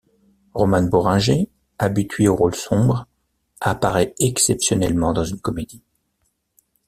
Romane Bohringer, habituée aux rôles sombres, apparaît exceptionnellement dans une comédie.